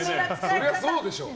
そりゃそうでしょ。